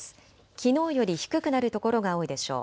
きのうより低くなる所が多いでしょう。